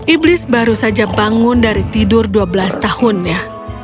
iblis baru saja bangun dari tidur dua belas tahunnya